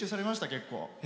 結構。